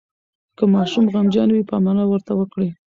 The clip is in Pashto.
که ماشوم غمجن وي، پاملرنه ورته وکړئ.